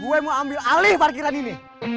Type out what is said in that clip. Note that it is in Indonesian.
gue mau ambil alih parkiran ini